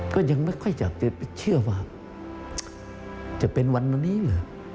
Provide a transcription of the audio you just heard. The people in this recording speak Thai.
ก็ยังไม่ค่อยอยากจะไปเชื่อว่าจะเป็นวันวันนี้เหรอ